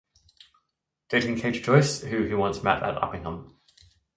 Dating Katie Joyce who he met at Uppingham.